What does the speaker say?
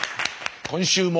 今週も。